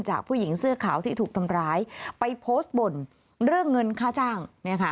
ผู้หญิงเสื้อขาวที่ถูกทำร้ายไปโพสต์บ่นเรื่องเงินค่าจ้างเนี่ยค่ะ